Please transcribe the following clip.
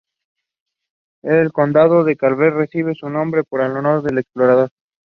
Properties within the district include several Georgian Colonial homes and four Greek Revival homes.